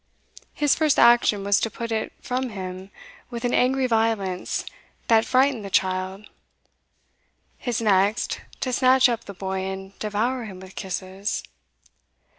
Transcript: His first action was to put it from him with an angry violence that frightened the child; his next, to snatch up the boy and devour him with kisses.